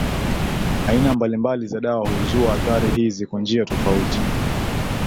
Aina mbalimbali za dawa huzua athari hizi kwa njia tofauti